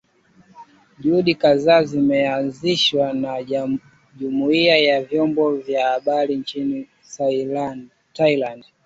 Juhudi kadhaa zimeanzishwa na jumuiya za vyombo vya habari nchini Thailand